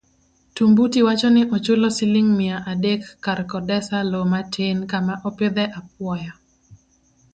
Tumbuti wacho ni ochula siling mia adek mar kodesa loo matin kama opidhe apuoyo